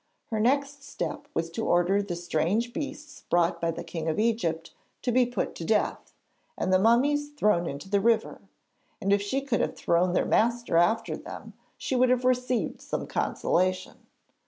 Her next step was to order the strange beasts brought by the King of Egypt to be put to death, and the mummies thrown into the river, and if she could have thrown their master after them she would have received some consolation!